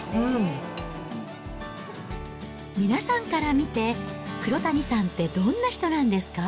皆さんから見て、黒谷さんってどんな人なんですか？